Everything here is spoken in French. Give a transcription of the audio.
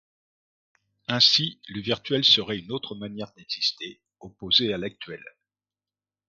Ainsi, le virtuel serait une autre manière d’exister, opposée à l’actuel.